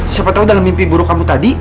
siapa tahu dalam mimpi buruk kamu tadi